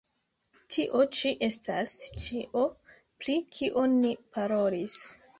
Tio ĉi estas ĉio, pri kio ni parolis.